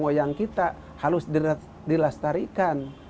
wayang kita harus dilastarikan